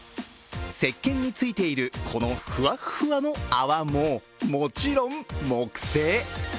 せっけんについている、このふわっふわの泡も、もちろん木製。